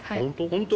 本当？